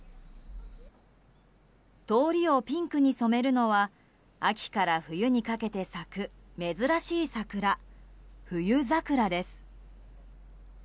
通りをピンクに染めるのは秋から冬にかけて咲く珍しい桜、冬桜です。